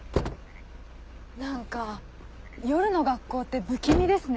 何か夜の学校って不気味ですね。